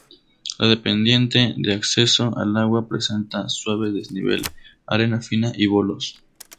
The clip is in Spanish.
La pendiente de acceso al agua presenta suave desnivel, arena fina y bolos.